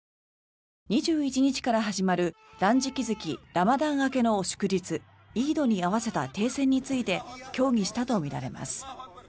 ２１日から始まる断食月ラマダン明けの祝日イードに合わせた停戦について協議したとみられます。